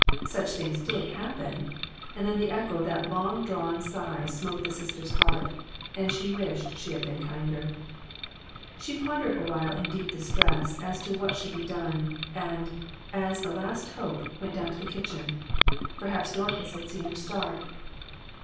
Such things did happen, and then the echo of that long drawn sigh smote the sister's heart and she wished she had been kinder. She pondered awhile in deep distress as to what should be done, and, as a last hope, went IO4 IMPROMPTU VISITS. down to the kitchen. Perhaps Dorcas had seen her start.